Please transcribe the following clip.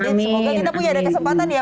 semoga kita punya ada kesempatan ya